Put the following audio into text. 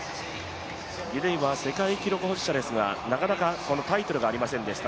ギデイは世界記録保持者ですが、なかなかタイトルがありませんでした。